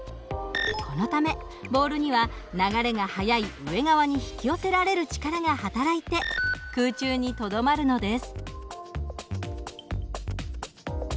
このためボールには流れが速い上側に引き寄せられる力が働いて空中にとどまるのです。